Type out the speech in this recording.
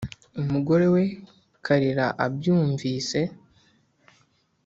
umugore we karira abyumvise